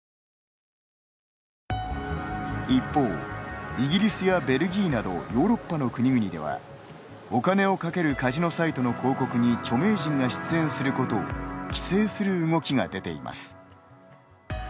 一方、イギリスやベルギーなどヨーロッパの国々ではお金を賭けるカジノサイトの広告に著名人が出演することを規制する動きが出ています。